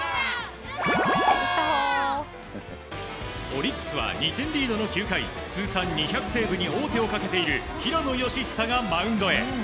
オリックスは２点リードの９回通算２００セーブに王手をかけている平野佳寿がマウンドへ。